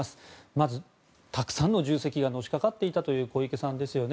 まず、たくさんの重責がのしかかっていたという小池さんですよね。